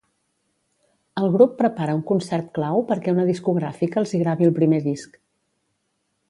El grup prepara un concert clau perquè una discogràfica els hi gravi el primer disc.